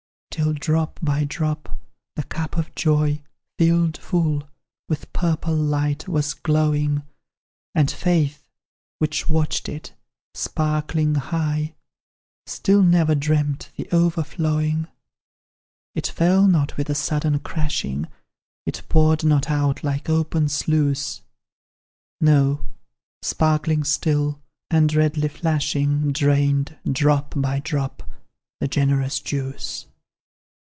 "Till, drop by drop, the cup of joy Filled full, with purple light was glowing, And Faith, which watched it, sparkling high Still never dreamt the overflowing. "It fell not with a sudden crashing, It poured not out like open sluice; No, sparkling still, and redly flashing, Drained, drop by drop, the generous juice.